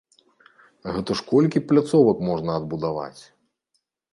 Гэта ж колькі пляцовак можна адбудаваць!